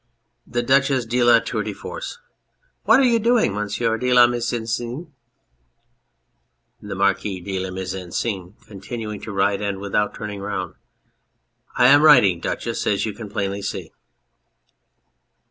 THE DUCHESS DE LA TOUR DE FORCE. What are you doing, Monsieur de la Mise en Scene ? THE MARQUIS DE LA MISE EN SCENE (continuing to write and without turning round). I am writing, Duchess, as you can plainly see.